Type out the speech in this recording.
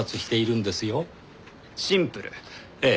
ええ。